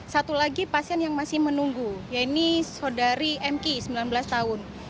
satu lagi pasien yang masih menunggu yaitu saudari mki sembilan belas tahun